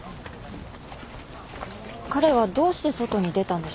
彼はどうして外に出たんでしょう？